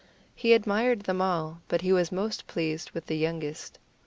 He admired them all, but he was most pleased with the youngest.